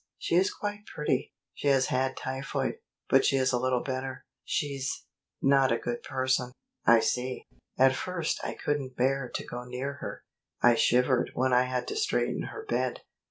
She is quite pretty. She has had typhoid, but she is a little better. She's not a good person." "I see." "At first I couldn't bear to go near her. I shivered when I had to straighten her bed.